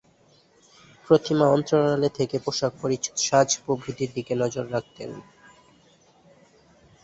প্রতিমা অন্তরালে থেকে পোশাক পরিচ্ছদ সাজ প্রভৃতির দিকে নজর রাখতেন।